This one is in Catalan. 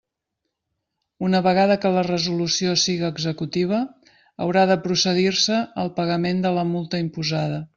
Una vegada que la resolució siga executiva, haurà de procedir-se al pagament de la multa imposada.